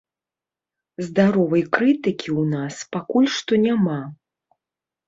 Здаровай крытыкі ў нас пакуль што няма.